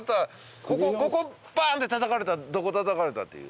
ここバンってたたかれたらどこたたかれたって言う？